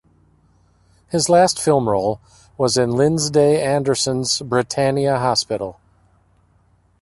His last film role was in Lindsay Anderson's "Britannia Hospital".